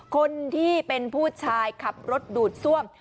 คนที่เป็นผู้ชายขับรถดูดซ่วม